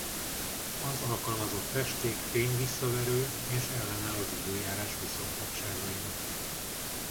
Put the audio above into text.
Az alkalmazott festék fényvisszaverő és ellenáll az időjárás viszontagságainak.